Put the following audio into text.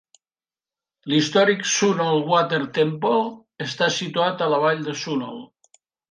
L'històric Sunol Water Temple està situat a la vall de Sunol.